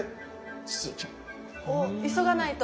お急がないと。